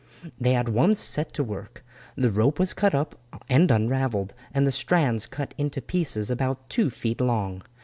They at once set to work. The rope was cut up and unravelled, and the strands cut into pieces about two feet long.